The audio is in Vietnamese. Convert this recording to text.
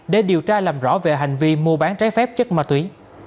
để điều tra làm rõ về hành vi mua bán trái phép chất ma túy